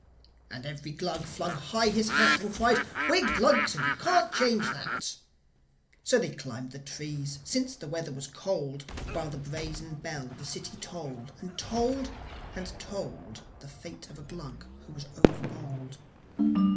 And every Glug flung high his hat, And cried, "We're Glugs! and you can't change that!" So they climbed the trees, since the weather was cold, While the brazen bell of the city tolled And tolled, and told The fate of a Glug who was over bold.